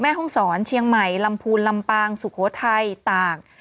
ห้องศรเชียงใหม่ลำพูนลำปางสุโขทัยตาก